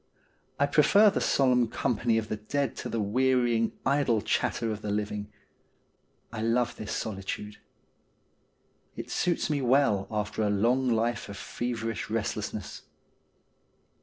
I prefer the solemn company of the dead to the wearying, idle chatter of the living. I love this solitude. It suits me well after a long life of feverish restlessness.